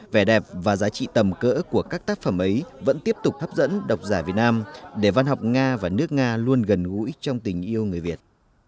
vẻ đẹp và giá trị tầm cỡ của các tác phẩm ấy vẫn tiếp tục hấp dẫn độc giả việt nam để văn học nga và nước nga luôn gần gũi trong tình yêu người việt